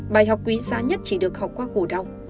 bài học quý giá nhất chỉ được học qua khổ đọc